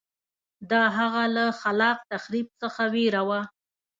دا هغه له خلاق تخریب څخه وېره وه